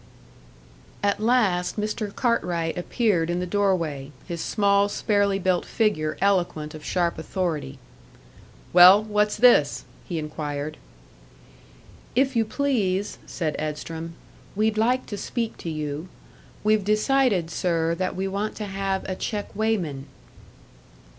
At last Mr. Cartwright appeared in the doorway, his small sparely built figure eloquent of sharp authority. "Well, what's this?" he inquired. "If you please," said Edstrom, "we'd like to speak to you. We've decided, sir, that we want to have a check weighman."